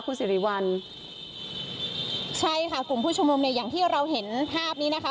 คุณสิริวัลใช่ค่ะกลุ่มผู้ชุมนุมเนี่ยอย่างที่เราเห็นภาพนี้นะคะ